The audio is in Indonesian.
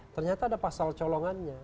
ternyata ada pasal colongannya